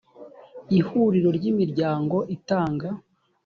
ihuriro ry imiryango itanga